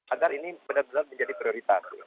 agar ini benar benar menjadi prioritas